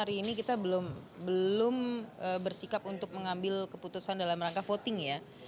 hari ini kita belum bersikap untuk mengambil keputusan dalam rangka voting ya